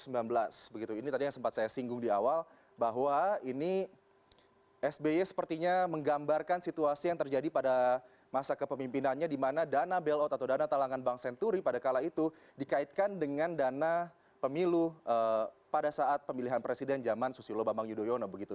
ini tadi yang sempat saya singgung di awal bahwa ini sby sepertinya menggambarkan situasi yang terjadi pada masa kepemimpinannya di mana dana bailout atau dana talangan bank senturi pada kala itu dikaitkan dengan dana pemilu pada saat pemilihan presiden zaman susilo bambang yudhoyono begitu